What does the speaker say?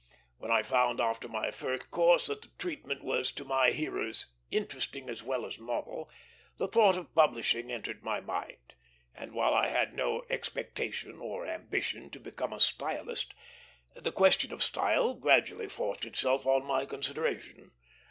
When I found after my first course that the treatment was to my hearers interesting as well as novel, the thought of publishing entered my mind; and while I had no expectation or ambition to become a stylist, the question of style gradually forced itself on my consideration.